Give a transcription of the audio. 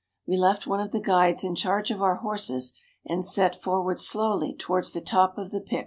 We left one of the guides in charge of our horses, and set forward slowly towards the top of the Pic.